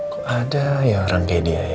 kok ada ya orang kayak dia ya